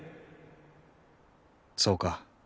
そうか。